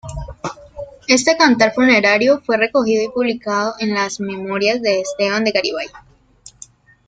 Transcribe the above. Este cantar funerario fue recogido y publicado en las "Memorias" de Esteban de Garibay.